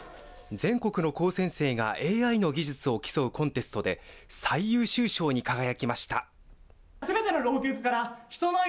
全国の高専生がＡＩの技術を競うコンテストで最優秀賞に輝きました。